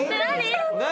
何？